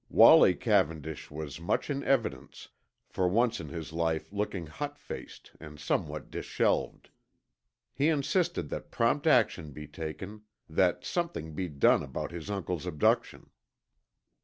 Wallie Cavendish was much in evidence, for once in his life looking hot faced and somewhat disheveled. He insisted that prompt action be taken; that something be done about his uncle's abduction.